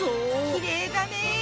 きれいだね。